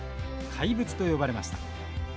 怪物と呼ばれました。